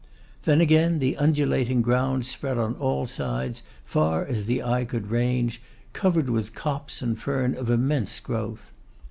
Then again the undulating ground spread on all sides, far as the eye could range, covered with copse and fern of immense growth.